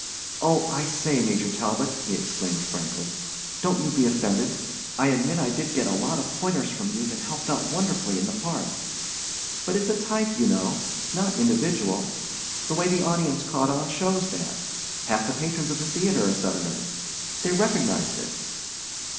Oh, I say, Major Talbot," he exclaimed frankly, "don't you be offended. I admit I did get a lot of pointers from you that helped out wonderfully in the part. But it's a type, you know—not individual. The way the audience caught on shows that. Half the patrons of that theater are Southerners. They recognized it."